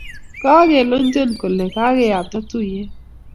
Kagelenjon kole kageapta tuiyet